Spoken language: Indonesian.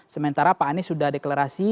sementara pak anies sudah deklarasi